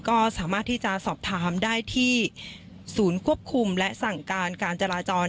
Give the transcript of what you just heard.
ก็สามารถที่จะสอบถามได้ที่ศูนย์ควบคุมและสั่งการการจราจร